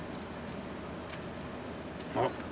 あっ。